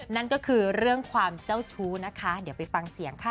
นั่นก็คือเรื่องความเจ้าชู้นะคะเดี๋ยวไปฟังเสียงค่ะ